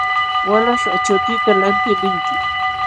Walaśh, achuutita lantiq linki.